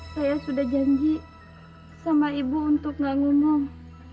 saya sudah janji sama ibu untuk nggak ngomong